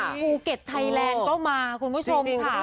ภูเก็ตไทยแลนด์ก็มาคุณผู้ชมค่ะ